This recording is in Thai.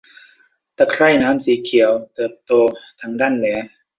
ตะไคร่น้ำสีเขียวเติบโตทางด้านเหนือ